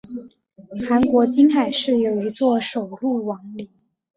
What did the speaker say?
韩国金海市有一座首露王陵。